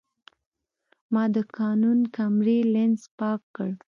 ما د کانون کیمرې لینز پاک کړ.